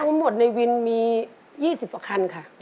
ทั้งหมดในวินมี๒๐กว่าคันค่ะ